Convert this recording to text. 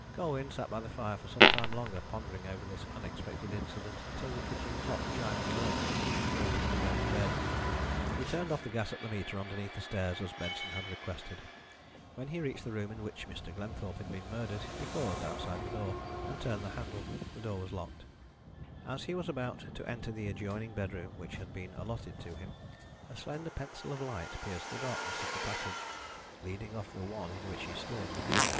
Colwyn sat by the fire for some time longer pondering over this unexpected incident, until the kitchen clock chiming eleven warned him to go to bed. He turned off the gas at the meter underneath the stairs as Benson had requested. When he reached the room in which Mr. Glenthorpe had been murdered, he paused outside the door, and turned the handle. The door was locked. As he was about to enter the adjoining bedroom which had been allotted to him, a slender pencil of light pierced the darkness of the passage leading off the one in which he stood.